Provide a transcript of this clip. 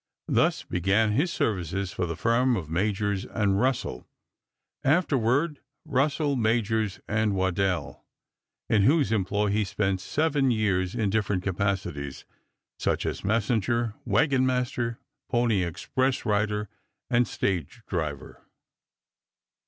Thus began his services for the firm of Majors & Russell, afterward Russell, Majors & Waddell, in whose employ he spent seven years in different capacities, such as messenger, wagon master, pony express rider, and stage driver.